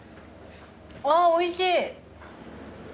あっおいしい。